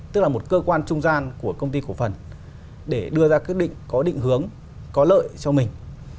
tức là một cơ quan trung gian của công ty cổ phần để đưa ra quyết định có định hướng có lợi cho mình